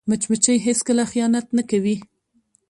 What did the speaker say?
مچمچۍ هیڅکله خیانت نه کوي